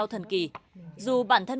thì để sẽ ra con gái